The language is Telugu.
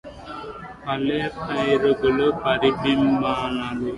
పల్లె పైరుగాలి పరిరంభణమ్ములు